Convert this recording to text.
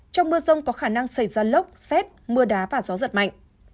trong mưa rông có khả năng xảy ra lốc xét mưa đá và gió giật mạnh